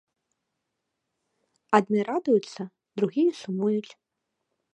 Адны радуюцца, другія сумуюць.